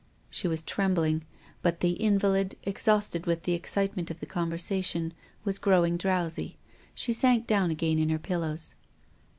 She was trembling. But the invalid, exhausted with the excitement of the conversation, was growing drowsy. She sank down again in her pillows.